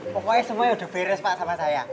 pokoknya semuanya udah beres pak sama saya